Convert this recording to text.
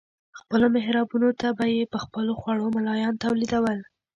خپلو محرابونو ته به یې په خپلو خوړو ملایان تولیدول.